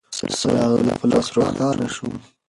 څراغ د ده په لاس روښانه شو.